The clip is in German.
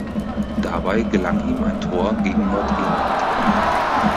Dabei gelang ihm ein Tor gegen Nordirland.